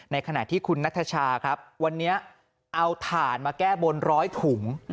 ขณะที่คุณนัทชาครับวันนี้เอาถ่านมาแก้บนร้อยถุง